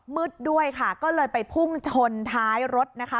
มืดด้วยค่ะก็เลยไปพุ่งชนท้ายรถนะคะ